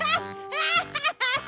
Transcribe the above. アハハハ！